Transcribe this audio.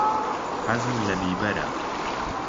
حەزم لە بیبەرە.